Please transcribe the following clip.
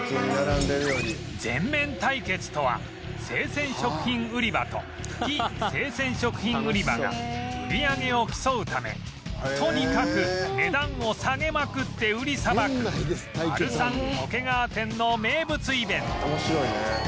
全面対決とは生鮮食品売り場と非生鮮食品売り場が売り上げを競うためとにかく値段を下げまくって売りさばくマルサン桶川店の名物イベント